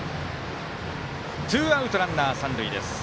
ツーアウト、ランナー、三塁です。